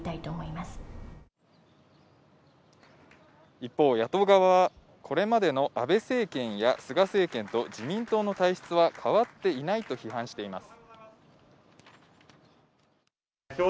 一方、野党側はこれまでの安倍政権や菅政権と自民党の体質は変わっていないと批判しています。